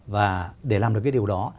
và để làm được điều đó